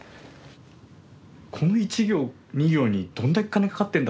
この１行２行にどんだけ金かかってんだ。